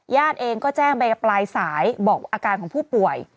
เองก็แจ้งไปปลายสายบอกอาการของผู้ป่วย